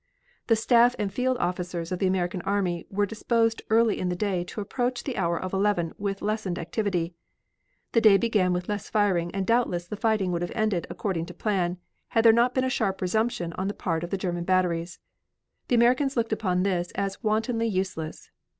The staff and field officers of the American army were disposed early in the day to approach the hour of eleven with lessened activity. The day began with less firing and doubtless the fighting would have ended according to plan, had there not been a sharp resumption on the part of German batteries. The Americans looked upon this as wantonly useless.